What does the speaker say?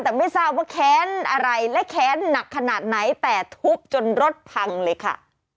แต่ไม่ทราบว่าแค้นอะไรและแค้นหนักขนาดไหนแต่ทุบจนรถพังเลยค่ะ